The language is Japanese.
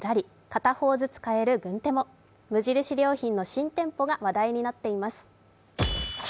片方ずつ買える軍手も、無印良品の新店舗が話題になっています。